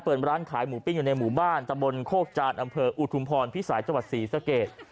เปิดร้านขายหมูปิ้งอยู่ในหมู่บ้านตะบนโคกจานอำเภออุทุมพรพิสัยจังหวัดศรีสะเกด